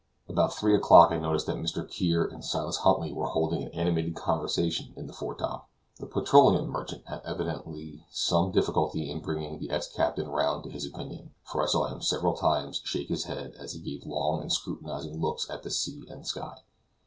About three o'clock I noticed that Mr. Kear and Silas Huntly were holding an animated conversation in the foretop. The petroleum merchant had evidently some difficulty in bringing the ex captain round to his opinion, for I saw him several times shake his head as he gave long and scrutinizing looks at the sea and sky.